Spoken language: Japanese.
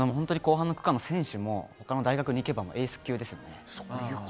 後半の区間の選手も他の大学に行けばエース級ですね。